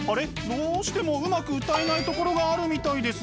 どうしてもうまく歌えないところがあるみたいです。